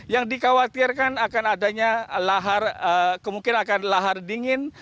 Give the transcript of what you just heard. yang dikhawatirkan akan adanya lahar kemungkinan akan lahar dingin